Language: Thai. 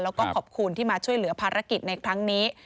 แล้วก็ขอบคุณที่มาช่วยเหลือภารกิจในครั้งนี้